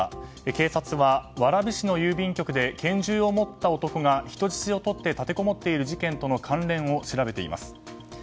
警察は蕨市の郵便局で拳銃を持った男が人質をとって立てこもっている事件との関連を調べています。